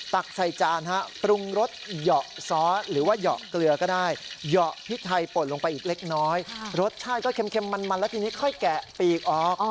ตักใส่จานฮะปรุงรสเหยาะซอสหรือว่าเหยาะเกลือก็ได้เหยาะพริกไทยป่นลงไปอีกเล็กน้อยรสชาติก็เค็มมันแล้วทีนี้ค่อยแกะปีกออก